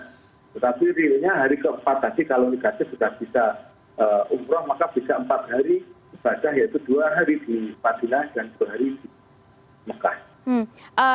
tetapi realnya hari keempat tadi kalau negatif sudah bisa umroh maka bisa empat hari ibadah yaitu dua hari di madinah dan dua hari di mekah